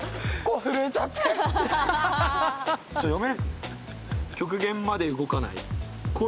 ちょっと読め。